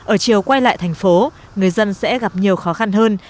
ở chiều quay lại thành phố người dân sẽ gặp nhiều khó khăn hơn